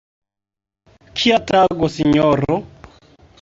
Kia tago, sinjoro!